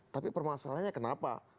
tapi permasalahannya kenapa